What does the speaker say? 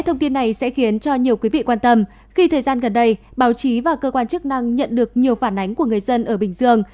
thông tin này sẽ khiến cho nhiều quý vị quan tâm khi thời gian gần đây báo chí và cơ quan chức năng nhận được nhiều phản ánh của người dân ở bình dương